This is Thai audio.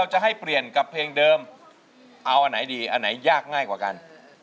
อันไหนดีอันไหนยากง่ายกว่ากัน